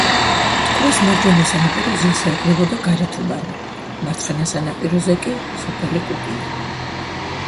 მტკვრის მარჯვენა სანაპიროზე ესაზღვრებოდა გარეთუბანი, მარცხენა სანაპიროზე კი სოფელი კუკია.